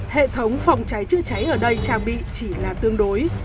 hệ thống phòng cháy chữa cháy ở đây trang bị chỉ là tương đối